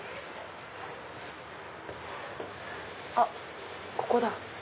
あっここだ！